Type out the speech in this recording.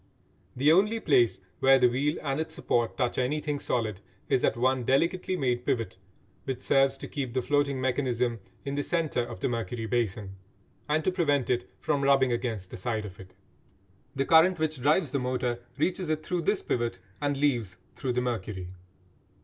The only place where the wheel and its supports touch anything solid is at one delicately made pivot which serves to keep the floating mechanism in the centre of the mercury basin, and to prevent it from rubbing against the side of it. The current which drives the motor reaches it through this pivot and leaves through the mercury.